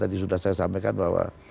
tadi sudah saya sampaikan bahwa